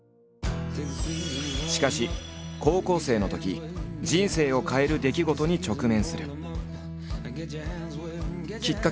しかし高校生のとき人生を変える出来事に直面する。